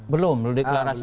belum belum deklarasi